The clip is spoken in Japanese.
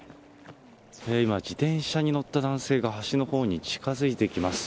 今、自転車に乗った男性が、橋のほうに近づいてきます。